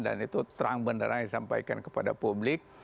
dan itu terang beneran disampaikan kepada publik